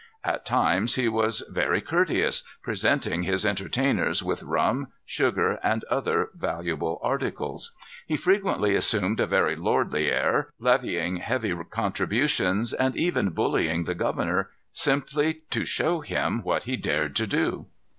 At times he was very courteous, presenting his entertainers with rum, sugar, and other valuable articles. He frequently assumed a very lordly air, levying heavy contributions, and even bullying the governor, simply to show him what he dared to do.